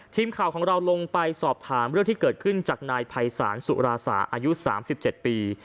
ทีมข่าวของเราลงไปสอบถามเรื่องที่เกิดขึ้นจากนายภัยศาลสุราสาอายุ๓๗ปี